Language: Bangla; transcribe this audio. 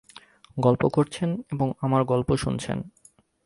গল্প করছেন এবং আমার গল্প শুনছেন।